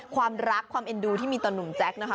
ความรักความเอ็นดูที่มีต่อหนุ่มแจ๊คนะคะ